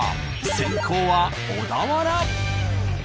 先攻は小田原。